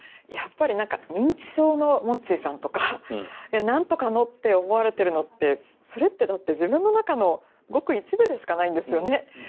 やっぱり何か「認知症のもっちさん」とか「何とかの」って思われてるのってそれってだって自分の中のごく一部でしかないんですよね。